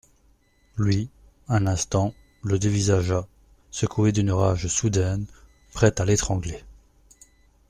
Lui, un instant, le dévisagea, secoué d'une rage soudaine, prêt à l'étrangler.